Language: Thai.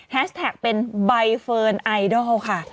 แท็กเป็นใบเฟิร์นไอดอลค่ะ